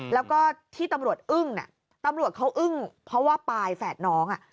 แล้วก็ที่ตำรวจอึ้งตำรวจเขาอึ้งเพราะว่าปายแฝดน้อง